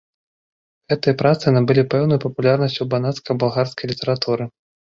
Гэтыя працы набылі пэўную папулярнасць у банацка-балгарскай літаратуры.